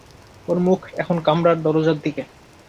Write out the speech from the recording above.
ওর মুখ এখন কামরার দরজার দিকে।